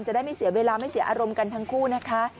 จะได้ไม่เสียเวลาไม่เสียอารมณ์กันทั้งคู่นะคะ